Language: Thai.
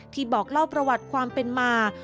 บอกเล่าประวัติความเป็นมา